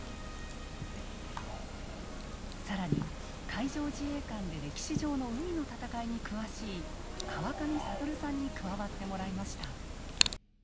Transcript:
更に海上自衛官で歴史上の海の戦いに詳しい川上智さんに加わってもらいました。